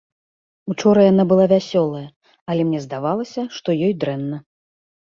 Учора яна была вясёлая, але мне здавалася, што ёй дрэнна.